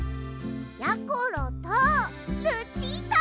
やころとルチータ！